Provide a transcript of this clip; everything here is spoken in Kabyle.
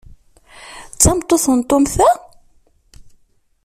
D tameṭṭut n Tom, ta?